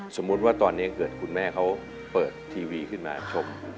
สมมุติว่าตอนนี้เกิดคุณแม่เขาเปิดทีวีขึ้นมาชม